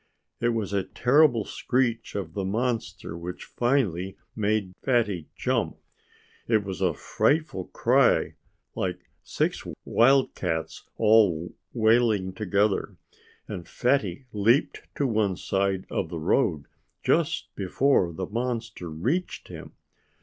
It was the terrible screech of the monster which finally made Fatty jump. It was a frightful cry like six wildcats all wailing together. And Fatty leaped to one side of the road just before the monster reached him.